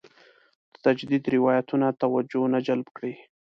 د تجدید روایتونه توجه نه جلب کړې.